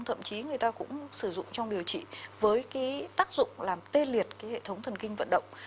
thậm chí người ta cũng sử dụng trong điều trị với cái tác dụng làm tê liệt cái hệ thống thần kinh vận động